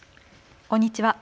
こんにちは。